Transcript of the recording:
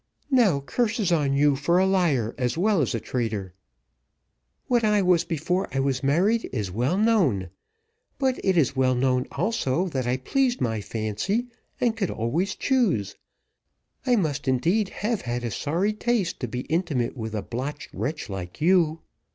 "Now, curses on you, for a liar as well as a traitor!" exclaimed Nancy. "What I was before I was married is well known; but it is well known, also, that I pleased my fancy, and could always choose. I must, indeed, have had a sorry taste to be intimate with a blotched wretch like you.